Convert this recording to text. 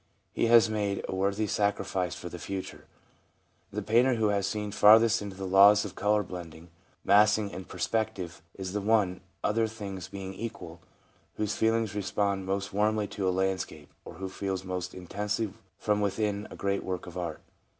He has made a worthy sacri fice for the future. The painter who has seen farthest into the laws of colour blending, massing and perspec tive, is the one, other things being equal, whose feelings respond most warmly to a landscape, or who feels most intensely from within a great work of art.